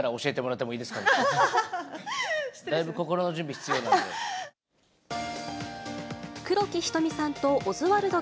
だいぶ心の準備、必要なんで。